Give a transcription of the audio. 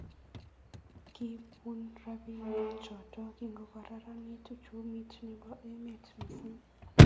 Kobun robinik choto, kikokararanit uchumi nebo emet misimg